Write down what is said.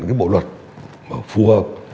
cái bộ luật mà phù hợp